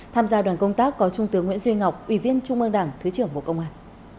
tham gia đoàn công tác có trung tướng nguyễn duy ngọc ủy viên trung ương đảng thứ trưởng bộ công an